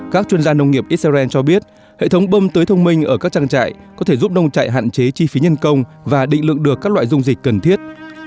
các chuyên gia nông nghiệp israel cho biết hệ thống bơm tưới thông minh ở các trang trại có thể giúp nông trại hạn chế chi phí nhân công và định lượng được các loại dung dịch cần thiết